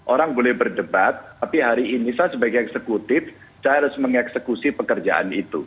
orang boleh berdebat tapi hari ini saya sebagai eksekutif saya harus mengeksekusi pekerjaan itu